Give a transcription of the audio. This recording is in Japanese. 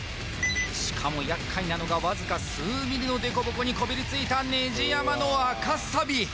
しかもやっかいなのがわずか数ミリの凸凹にこびりついたネジ山の赤サビ